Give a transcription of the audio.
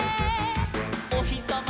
「おひさま